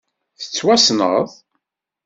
Tettwassneḍ?